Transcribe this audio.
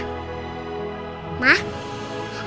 iklan tak suka nei